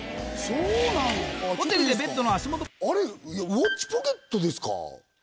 「ウォッチポケット」ですか？